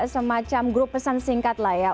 semacam grup pesan singkat lah ya